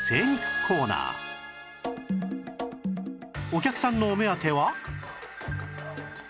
お客さんのお目当ては